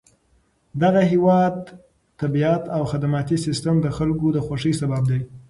دغه هېواد طبیعت او خدماتي سیستم د خلکو د خوښۍ سبب دی.